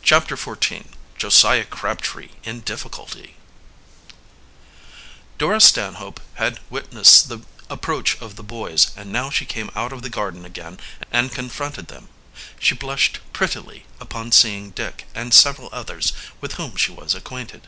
CHAPTER XIV JOSIAH CRABTREE IN DIFFICULTY Dora Stanhope had witnessed the approach of the boys, and now she came out into the garden again and confronted them. She blushed prettily upon seeing Dick and several others with whom she was acquainted.